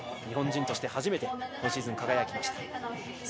日本人として初めて今シーズン、輝きました。